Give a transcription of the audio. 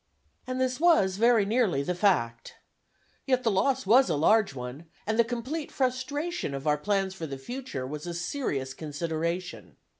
And this was very nearly the fact. Yet the loss was a large one, and the complete frustration of our plans for the future was a serious consideration.